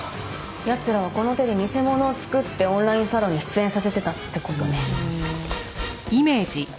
奴らはこの手で偽者を作ってオンラインサロンに出演させてたって事ね。